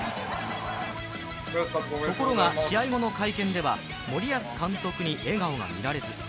ところが、試合後の会見では森保監督に笑顔がみられず。